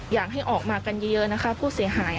อยากให้ออกมากันเยอะนะคะผู้เสียหาย